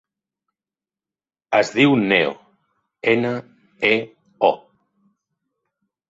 Es diu Neo: ena, e, o.